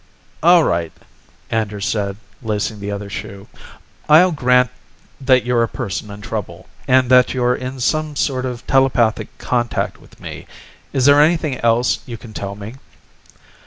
"All right," Anders said, lacing the other shoe. "I'll grant that you're a person in trouble, and that you're in some sort of telepathic contact with me. Is there anything else you can tell me?"